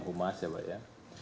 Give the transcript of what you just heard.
humas ya pak ya